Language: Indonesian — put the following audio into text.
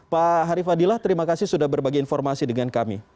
pak harifadillah terima kasih sudah berbagi informasi dengan kami